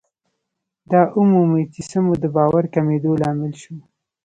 دا ومومئ چې څه مو د باور کمېدو لامل شو.